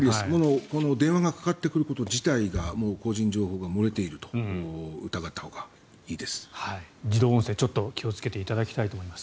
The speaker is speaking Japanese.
電話がかかってくること自体が個人情報が漏れていると自動音声、ちょっと気をつけていただきたいと思います。